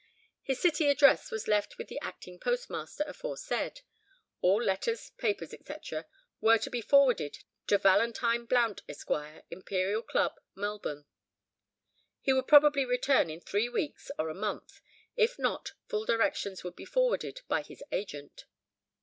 His city address was left with the acting postmaster aforesaid; all letters, papers, &c., were to be forwarded to Valentine Blount, Esq., Imperial Club, Melbourne. He would probably return in three weeks or a month; if not, full directions would be forwarded by his agent.